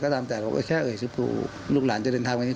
ก็ตั้งแต่แค่เอ่ยชื่อปู่ลูกหลานจะเดินทางไปไหน